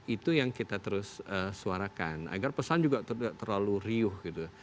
itu yang kita terus suarakan agar pesan juga tidak terlalu riuh gitu